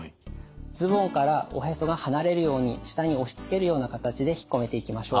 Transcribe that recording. ズボンからおへそが離れるように下に押しつけるような形でひっこめていきましょう。